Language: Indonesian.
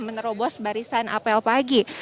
menerobos barisan apel pagi